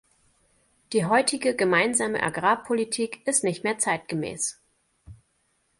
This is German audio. Die heutige Gemeinsame Agrarpolitik ist nicht mehr zeitgemäß.